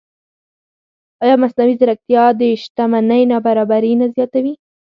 ایا مصنوعي ځیرکتیا د شتمنۍ نابرابري نه زیاتوي؟